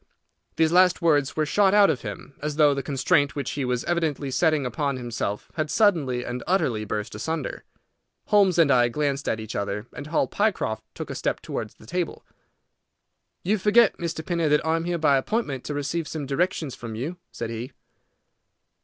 These last words were shot out of him, as though the constraint which he was evidently setting upon himself had suddenly and utterly burst asunder. Holmes and I glanced at each other, and Hall Pycroft took a step towards the table. "You forget, Mr. Pinner, that I am here by appointment to receive some directions from you," said he.